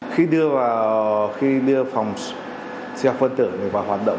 khi đưa vào khi đưa phòng sẽ phân tử và hoạt động